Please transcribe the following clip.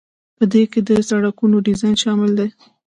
په دې کې د سړکونو ډیزاین شامل دی.